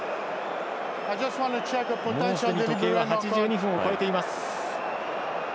すでに時計は８２分を超えています。